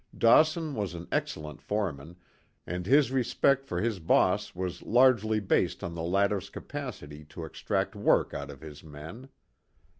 Dawson was an excellent foreman, and his respect for his "boss" was largely based on the latter's capacity to extract work out of his men.